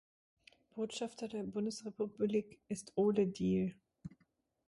Botschafter der Bundesrepublik ist Ole Diehl.